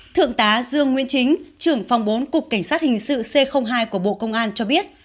thượng tá dương nguyên chính trưởng phòng bốn cục cảnh sát hình sự c hai của bộ công an cho biết